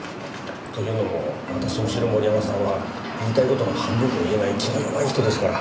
というのも私の知る森山さんは言いたい事の半分も言えない気の弱い人ですから。